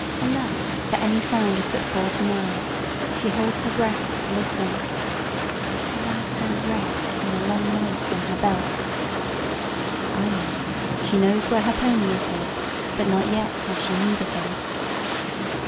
Alert for any sound of footfalls nigh, she holds her breath to listen. Her right hand rests on a long knife in her belt. Ah, yes, she knows where her pony is hid, but not yet has she need of him.